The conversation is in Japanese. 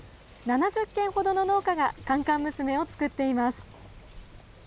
７０軒ほどの農家が甘々娘を作っています。